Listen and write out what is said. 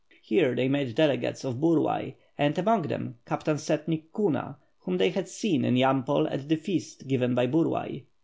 Here they met delegates of Burlay, and among them Captain Set nik Kuna, whom they had seen in Yampol at the feast given by Burlay.